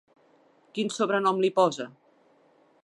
Quin sobrenom li posa?